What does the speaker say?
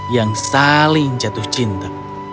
yang saling jatuh cinta